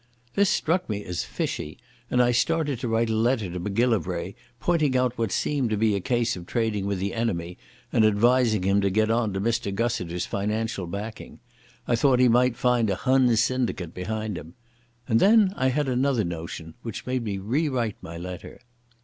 This struck me as fishy, and I started to write a letter to Macgillivray pointing out what seemed to be a case of trading with the enemy, and advising him to get on to Mr Gussiter's financial backing. I thought he might find a Hun syndicate behind him. And then I had another notion, which made me rewrite my letter.